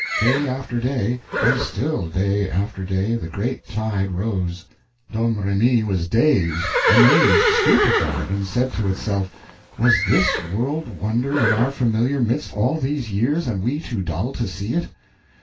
Day after day, and still day after day the great tide rose. Domremy was dazed, amazed, stupefied, and said to itself, "Was this world wonder in our familiar midst all these years and we too dull to see it?"